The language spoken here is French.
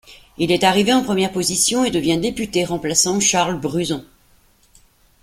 Il est arrivé en première position et devient député remplacent Charles Bruzon.